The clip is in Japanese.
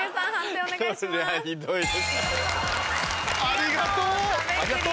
ありがとう！